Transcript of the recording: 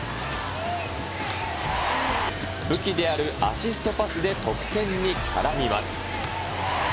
武器であるアシストパスで得点に絡みます。